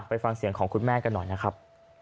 ไปฟังเสียงของคุณแม่กันหน่อยนะครับ